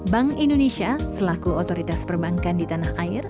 bank indonesia selaku otoritas perbankan di tanah air